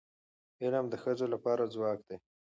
علم د ښځو لپاره ځواک دی.